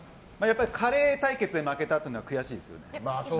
カレー対決で負けたというのが悔しいですよね。